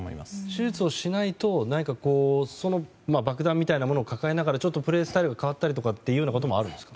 手術をしないと爆弾みたいなものを抱えながらプレースタイルが変わるみたいなこともあるんですか？